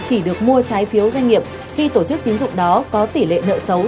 chỉ được mua trái phiếu doanh nghiệp khi tổ chức tín dụng đó có tỷ lệ nợ xấu